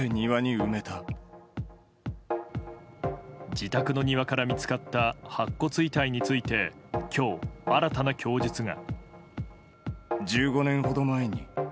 自宅の庭から見つかった白骨遺体について今日、新たな供述が。